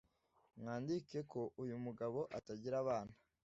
mwandike ko uyu mugabo atagira abana